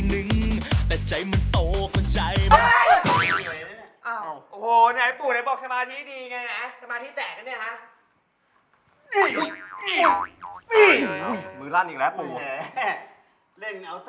เล่นเอาสกุเคิล